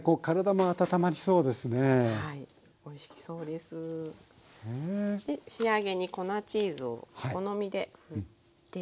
で仕上げに粉チーズをお好みでふって。